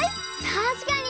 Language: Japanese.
たしかに！